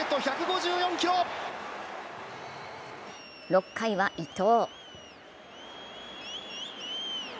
６回は伊藤。